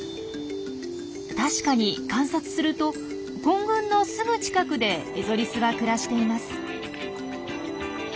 確かに観察すると混群のすぐ近くでエゾリスは暮らしています。